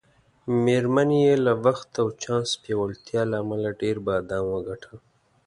میرمنې یې له بخت او چانس پیاوړتیا له امله ډېر بادام وګټل.